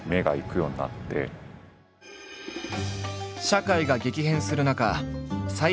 社会が激変する中斎